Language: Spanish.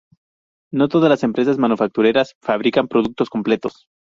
No todas las empresas manufactureras fabrican productos completos.